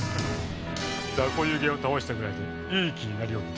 ザコ湯気を倒したぐらいでいい気になりおって。